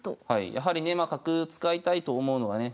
やはりねまあ角使いたいと思うのがね